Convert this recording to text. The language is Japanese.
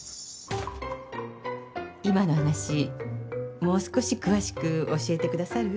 今の話もう少し詳しく教えてくださる？